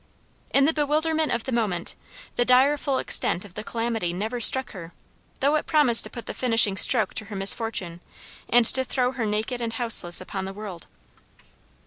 In the bewilderment of the moment, the direful extent of the calamity never struck her, though it promised to put the finishing stroke to her misfortune, and to throw her naked and houseless upon the world.